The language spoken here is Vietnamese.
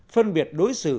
phân biệt đối xử